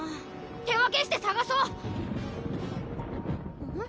手分けして捜そう！ん？